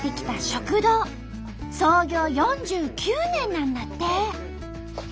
創業４９年なんだって。